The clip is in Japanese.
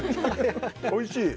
おいしい。